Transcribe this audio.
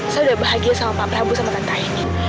saya sudah bahagia sama pak prabu sama tantai